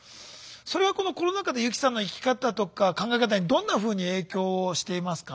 それがこのコロナ禍で湯木さんの生き方とか考え方にどんなふうに影響をしていますか？